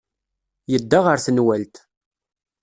Yedda ɣer tenwalt.